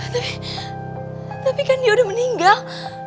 tapi kan dia udah meninggal